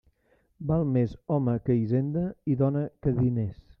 Val més home que hisenda i dona que diners.